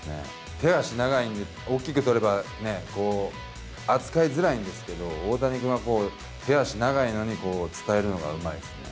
手足長いんで、大きくとればね、扱いづらいんですけど、大谷君は手足長いのに伝えるのがうまいですね。